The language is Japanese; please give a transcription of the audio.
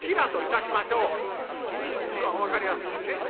一番分かりやすいねっ。